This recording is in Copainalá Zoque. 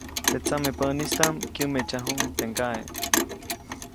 Teʼ tsamepäʼnistaʼm kyämeʼtsajuʼuŋ teʼ ŋgaʼe.